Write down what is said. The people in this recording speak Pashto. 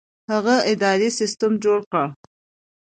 هغه اداري سیستم جوړ کړ.